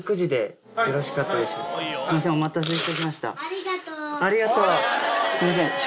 ありがとう！